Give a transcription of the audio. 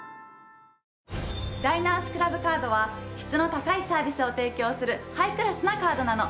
ダイナースクラブカードは質の高いサービスを提供するハイクラスなカードなの。